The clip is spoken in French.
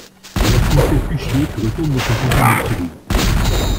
Alors tu me fais plus chier, tu retournes dans ta campagne pourrie